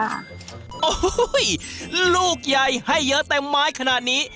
โอ้โหลูกใหญ่ให้เยอะเต็มไม้ขนาดนี้